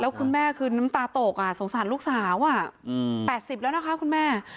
แล้วคุณแม่คือน้ำตาตกสงสัยลูกสาวแปดสิบแล้วนะคะคุณแม่